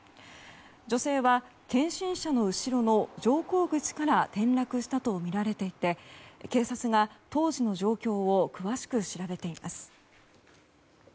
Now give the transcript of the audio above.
女性は検診車の後ろの乗降口から転落したとみられていて警察が当時の状況を詳しく調べています。